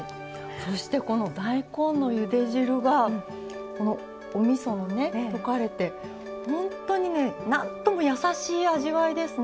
そしてこの大根のゆで汁がおみそのね溶かれて本当にねなんともやさしい味わいですね。